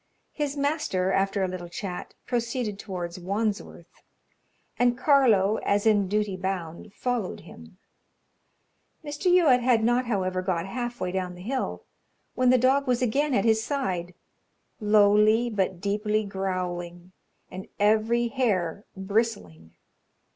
His master, after a little chat, proceeded towards Wandsworth, and Carlo, as in duty bound, followed him. Mr. Youatt had not, however, got half way down the hill when the dog was again at his side, lowly but deeply growling, and every hair bristling.